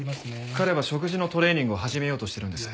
彼は食事のトレーニングを始めようとしてるんです。